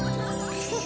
フフフ。